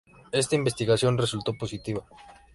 Esta investigación resultó positiva.